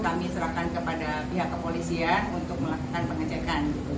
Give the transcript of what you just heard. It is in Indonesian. kami serahkan kepada pihak kepolisian untuk melakukan pengecekan